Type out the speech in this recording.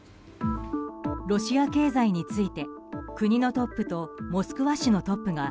ロシア経済について国のトップとモスクワ市のトップが